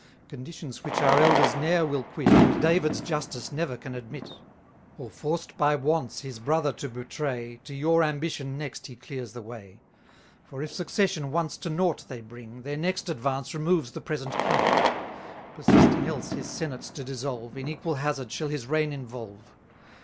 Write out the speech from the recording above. Conditions which our elders ne'er will quit, And David's justice never can admit. Or forced by wants his brother to betray, To your ambition next he clears the way; For if succession once to nought they bring, 260 Their next advance removes the present king: Persisting else his senates to dissolve, In equal hazard shall his reign involve.